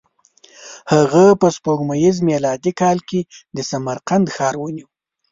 هغه په سپوږمیز میلادي کال کې د سمرقند ښار ونیو.